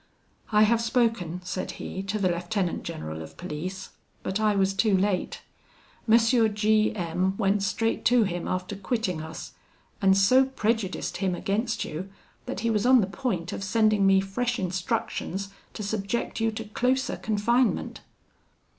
'I have spoken,' said he, 'to the lieutenant general of police, but I was too late, M. G M went straight to him after quitting us, and so prejudiced him against you, that he was on the point of sending me fresh instructions to subject you to closer confinement.